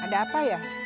ada apa ya